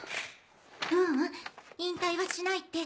ううん引退はしないって。